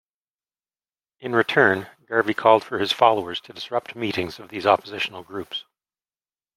In return, Garvey called for his followers to disrupt meetings of these oppositional groups.